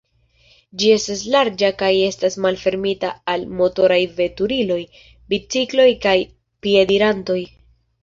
Ĝi estas larĝa kaj estas malfermita al motoraj veturiloj, bicikloj kaj piedirantoj.